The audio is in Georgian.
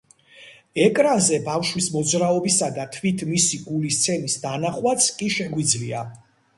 ეკრანზე ბავშვის მოძრაობისა და თვით მისი გულის ცემის დანახვაც კი შეგვიძლია.